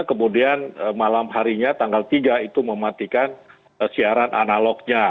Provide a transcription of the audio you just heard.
kemudian malam harinya tanggal tiga itu mematikan siaran analognya